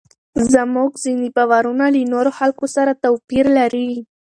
زموږ ځینې باورونه له نورو خلکو سره توپیر لري.